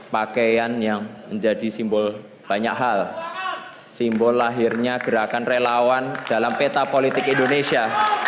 pakaian yang menjadi simbol banyak hal simbol lahirnya gerakan relawan dalam peta politik indonesia